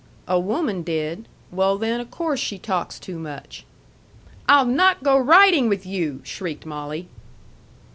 "A woman did! Well, then, o' course she talks too much." "I'll not go riding with you!" shrieked Molly.